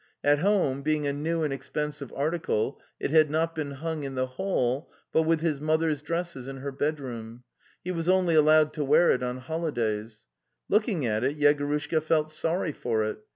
At home, being a new and expen sive article, it had not been hung in the hall, but with his mother's dresses in her bedroom; he was only allowed to wear it on holidays. Looking at it, Yegorushka felt sorry for it.